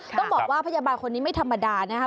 ต้องบอกว่าพยาบาลคนนี้ไม่ธรรมดานะครับ